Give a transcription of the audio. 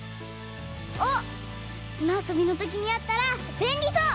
あっすなあそびのときにあったらべんりそう！